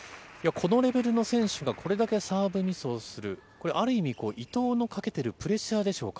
このレベルの選手が、これだけサーブミスをする、これ、ある意味、伊藤のかけてるプレッシャーでしょうか。